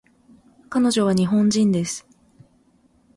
彼女は日本人です